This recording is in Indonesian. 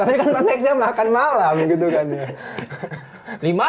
tapi kan konteksnya makan malam gitu kan ya